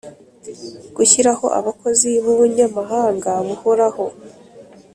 Gushyiraho abakozi b ubunyamabanga buhoraho